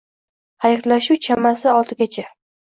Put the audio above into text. Xayrlashuv chamasi, oltigacha